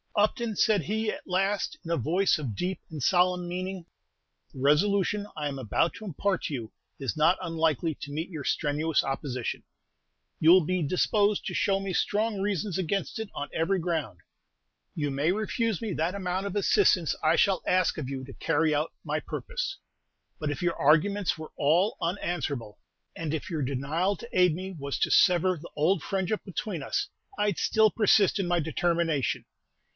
"Upton," said he, at last, in a voice of deep and solemn meaning, "the resolution I am about to impart to you is not unlikely to meet your strenuous opposition; you will be disposed to show me strong reasons against it on every ground; you may refuse me that amount of assistance I shall ask of you to carry out my purpose; but if your arguments were all unanswerable, and if your denial to aid me was to sever the old friendship between us, I 'd still persist in my determination.